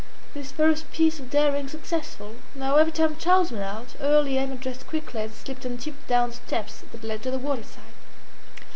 This first piece of daring successful, now every time Charles went out early Emma dressed quickly and slipped on tiptoe down the steps that led to the waterside.